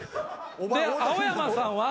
で青山さんは。